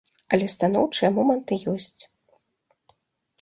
Але станоўчыя моманты ёсць.